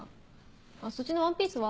そっちのワンピースは？